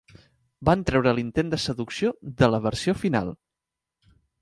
Van treure l'intent de seducció de la versió final.